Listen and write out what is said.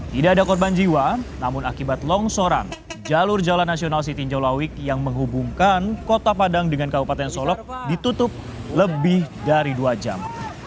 tidak ada korban jiwa namun akibat longsoran jalur jalan nasional sitinjau lawik yang menghubungkan kota padang dengan kabupaten solok ditutup lebih dari dua jam